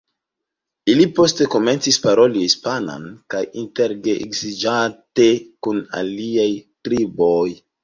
Ili poste komencis paroli hispanan kaj inter-geedziĝante kun aliaj triboj.